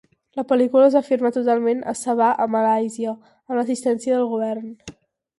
La pel·lícula es va filmar totalment a Sabah a Malàisia, amb l'assistència del govern.